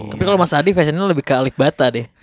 tapi kalau mas adi fashionnya lebih ke alip ba ta deh